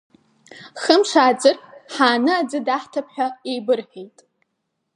Хымш ааҵыр, ҳааны аӡы даҳҭап ҳәа еибырҳәеит.